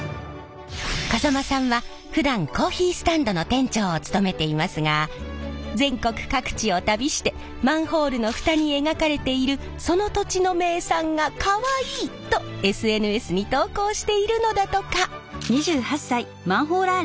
風間さんはふだんコーヒースタンドの店長を務めていますが全国各地を旅してマンホールの蓋に描かれている「その土地の名産がかわいい」とＳＮＳに投稿しているのだとか。